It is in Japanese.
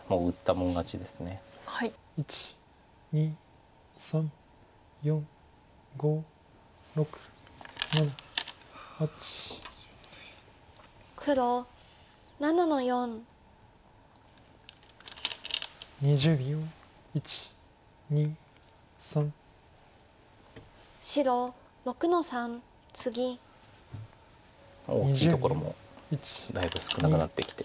もう大きいところもだいぶ少なくなってきて。